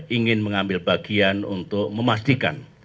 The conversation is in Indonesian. ingin mengambil bagian untuk memastikan